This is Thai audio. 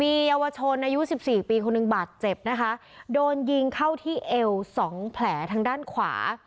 มีเยาวชนอายุสิบสี่ปีคนหนึ่งบาดเจ็บนะคะโดนยิงเข้าที่เอวสองแผลทางด้านขวา